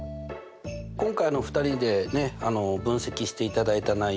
今回２人で分析していただいた内容